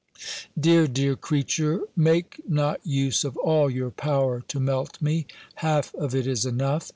"Dear, dear creature! make not use of all your power to melt me! Half of it is enough.